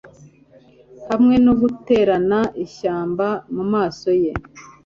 hamwe no gutererana ishyamba mumaso ye